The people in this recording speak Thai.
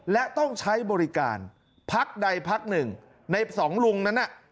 และต้องใช้บริการพักใดพักหนึ่งในสองลุงนั้นน่ะ